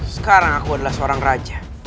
sekarang aku adalah seorang raja